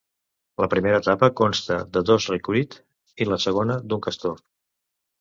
La primera etapa consta de dos Recruit, i la segona d'un Castor.